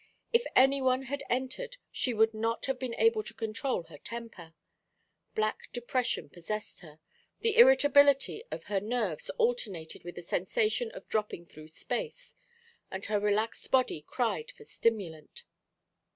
If any one had entered she would not have been able to control her temper. Black depression possessed her; the irritability of her nerves alternated with the sensation of dropping through space; and her relaxed body cried for stimulant.